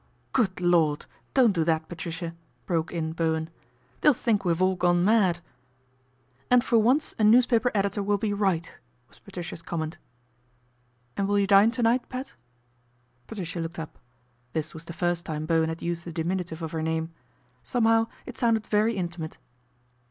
" Good Lord ! Don't do that, Patricia," broke in Bowen. ' They'll think we've all gone mad." " And for once a newspaper editor will be right," was Patricia's comment. A BOMBSHELL 167 " And will you dine t>night, Pat ?" Patricia looked up. This was the first time Bowen had used the diminutive of her name. Somehow it sounded very intimate.